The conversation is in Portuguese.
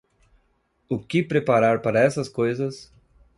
O que preparar para essas coisas